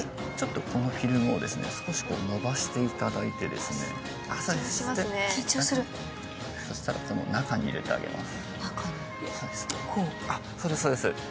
このフィルムを伸ばしていただいてそしたらこれを中に入れてあげます。